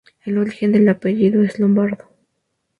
El origen del apellido es lombardo.